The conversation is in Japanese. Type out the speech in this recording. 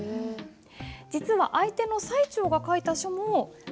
実は相手の最澄が書いた書もあります。